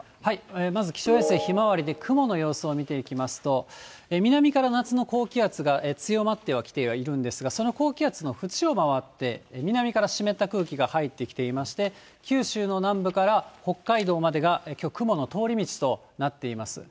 まず気象衛星ひまわりで雲の様子を見ていきますと、南から夏の高気圧が強まってはきてはいるんですが、その高気圧の縁を回って、南から湿った空気が入ってきていまして、九州の南部から北海道までがきょう、雲の通り道となっています。